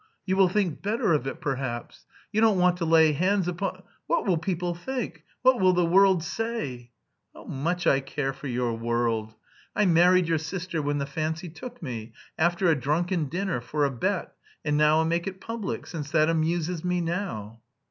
You will think better of it, perhaps? You don't want to lay hands upon.... What will people think? What will the world say?" "Much I care for your world. I married your sister when the fancy took me, after a drunken dinner, for a bet, and now I'll make it public... since that amuses me now."